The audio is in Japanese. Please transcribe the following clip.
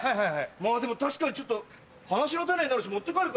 でも確かにちょっと話の種になるし持って帰るか。